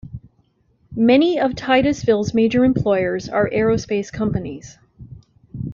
Many of Titusville's major employers are aerospace companies.